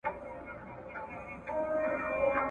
انګرېزي افسر خولۍ ایسته کړې ده.